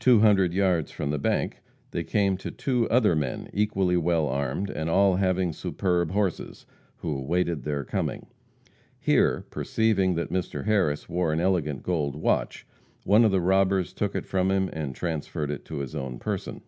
Two hundred yards from the bank they came to two other men equally well armed, and all having superb horses, who awaited their coming. Here, perceiving that Mr. Harris wore an elegant gold watch, one of the robbers took it from him, and transferred it to his own person.